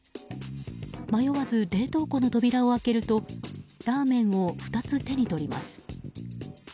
迷わず冷凍庫の扉を開けるとラーメンを２つ、手に取ります。